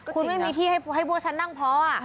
คุณไม่มีที่ให้พวกฉันนั่งพอ